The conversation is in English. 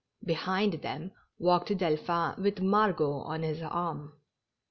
Behind them walked Delphin with Margot on his arm.